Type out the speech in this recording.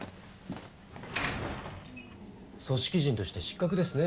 組織人として失格ですね。